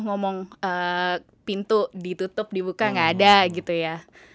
ngomong pintu ditutup dibuka nggak ada gitu ya